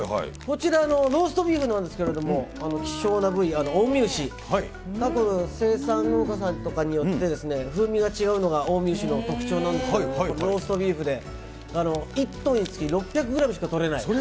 こちらのローストビーフなんですけれども、希少な部位、近江牛、たぶん生産農家さんによって風味が違うのが近江牛の特徴なんですけど、ローストビーフで、１トンにつき６００グラムしか取れない。